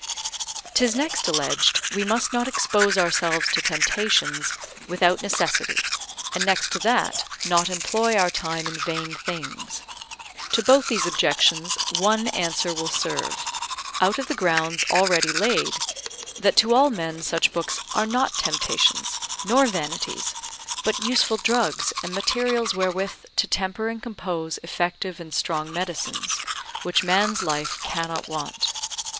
'Tis next alleged we must not expose ourselves to temptations without necessity, and next to that, not employ our time in vain things. To both these objections one answer will serve, out of the grounds already laid, that to all men such books are not temptations, nor vanities, but useful drugs and materials wherewith to temper and compose effective and strong medicines, which man's life cannot want.